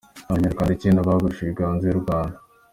Abanyarwanda icyenda bagurishijwe hanze y’u Rwanda